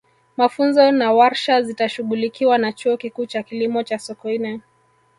mafunzo na warsha zitashughulikiwa na chuo kikuu cha kilimo cha sokoine